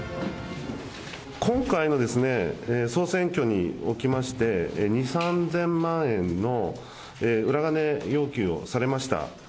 今回の総選挙におきまして、２、３０００万円の裏金要求をされました。